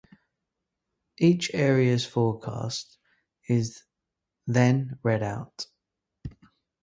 Each area's forecast is then read out.